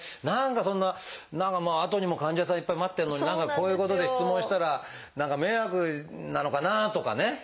何かそんなあとにも患者さんいっぱい待ってんのにこういうことで質問したら何か迷惑なのかなとかね。